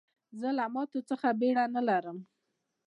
زه له ماتو څخه بېره نه لرم.